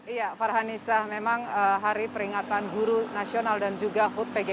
ya farhanisa memang hari peringatan guru nasional dan juga hood pegasus